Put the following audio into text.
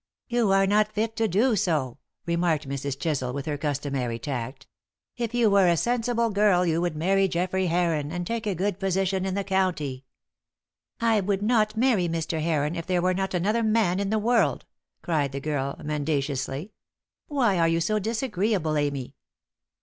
"You are not fit to do so," remarked Mrs. Chisel, with her customary tact. "If you were a sensible girl you would marry Geoffrey Heron, and take a good position in the county." "I would not marry Mr. Heron if there were not another man in the world" cried the girl, mendaciously. "Why are you so disagreeable, Amy?"